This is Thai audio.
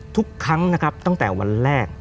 ทุกครั้งนะครับตั้งแต่วันแรก